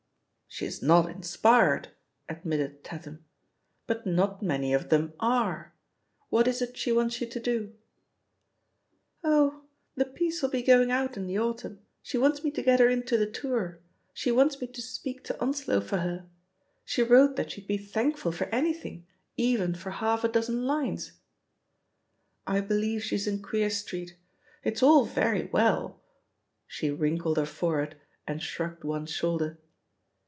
*' "She's not inspired," admitted Tatham, "but not many of them are. What is it she wants you to do?" "Oh, the piece'll be going out in the autumn; she wants me to get her into the tour, she wants THE POSITION OP PEGGY HARPER «69 me to speak to Onslow for her; she wrote that she'd T)e thankful for anything, even for half a dozen lines/ I believe she's in Queer Street. ... It's all very well " She wrinkled her forehead and shrugged one shoulder.